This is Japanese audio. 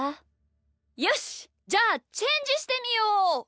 よしじゃあチェンジしてみよう！